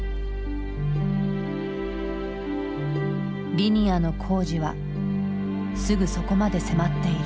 リニアの工事はすぐそこまで迫っている。